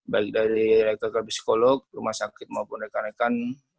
baik dari rektor psikolog rumah sakit maupun rekan rekan